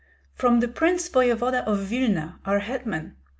"From the prince voevoda of Vilna, our hetman.